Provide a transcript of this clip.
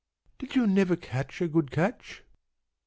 p> "Did you never catch a good catch?"